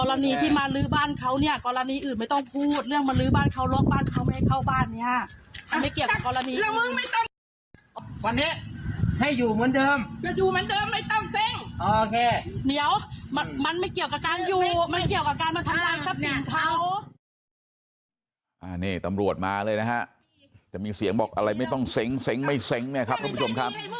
นี่ตำรวจมาเลยนะฮะจะมีเสียงบอกอะไรไม่ต้องเซ้งเซ้งไม่เซ้งเนี่ยครับทุกผู้ชมครับ